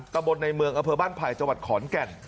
ตะบนในเมืองอเภอบ้านไผ่จังหวัดขอนแก่น